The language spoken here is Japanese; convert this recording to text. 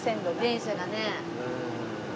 電車がね。